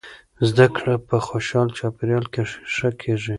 زده کړه په خوشحاله چاپیریال کې ښه کیږي.